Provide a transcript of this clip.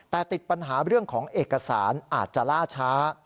แต่ติดปัญหาเรื่องของเอกสารอาจจะล่าช้า